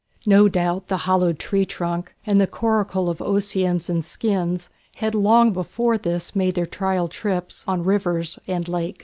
No doubt the hollowed tree trunk, and the coracle of osiers and skins, had long before this made their trial trips on river and lake.